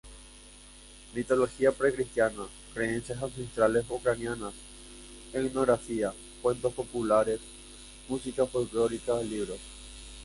Mitología precristiana, creencias ancestrales ucranianas, etnografía, cuentos populares, música folklórica, libros.